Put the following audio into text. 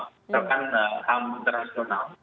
misalkan ham internasional